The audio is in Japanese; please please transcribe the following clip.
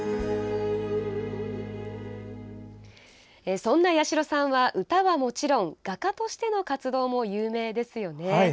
そんな八代さんは、歌はもちろん画家としての活動も有名ですよね。